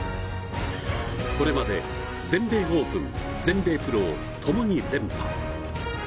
これまで全米オープン全米プロをともに連覇。